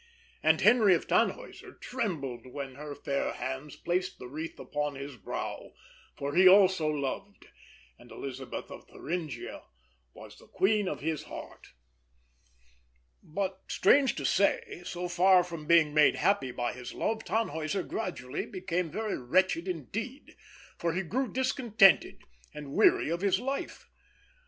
And Henry of Tannhäuser trembled when her fair hands placed the wreath upon his brow; for he also loved, and Elisabeth of Thuringia was the queen of his heart. But, strange to say, so far from being made happy by his love, Tannhäuser gradually became very wretched indeed, for he grew discontented and weary of his life.